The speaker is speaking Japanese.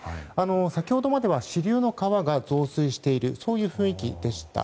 先ほどまでは支流の川が増水しているそういう雰囲気でした。